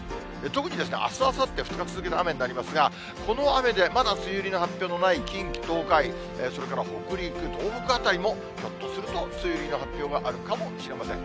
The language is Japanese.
特にあす、あさって、２日続けて雨になりますが、この雨で、まだ梅雨入りの発表がない近畿、東海、それから北陸、東北辺りも、ひょっとすると梅雨入りの発表があるかもしれません。